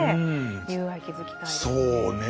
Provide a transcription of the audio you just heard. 友愛築きたいですね。